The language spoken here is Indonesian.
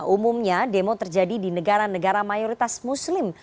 umumnya demo terjadi di negara negara mayoritas muslim